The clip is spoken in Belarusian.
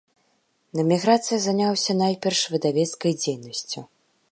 На эміграцыі заняўся найперш выдавецкай дзейнасцю.